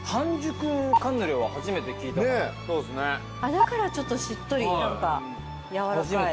だからちょっとしっとり何かやわらかい。